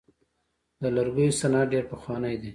د لرګیو صنعت ډیر پخوانی دی.